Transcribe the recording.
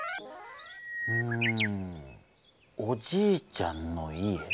うんおじいちゃんの家。